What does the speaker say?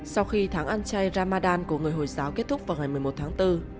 sau khi tháng ăn chay ramadan của người hồi giáo kết thúc vào ngày một mươi một tháng bốn